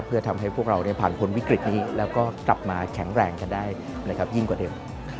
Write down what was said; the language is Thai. เพื่อทำให้พวกเราผ่านพ้นวิกฤตนี้แล้วก็กลับมาแข็งแรงกันได้ยิ่งกว่าเดิม